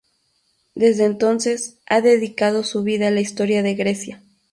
Desde entonces, ha dedicado su vida a la historia de Grecia.